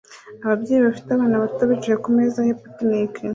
Ababyeyi bafite abana bato bicaye kumeza ya picnic